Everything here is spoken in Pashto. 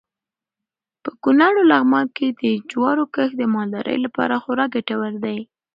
په کونړ او لغمان کې د جوارو کښت د مالدارۍ لپاره خورا ګټور دی.